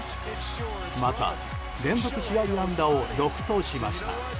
また、連続試合安打を６としました。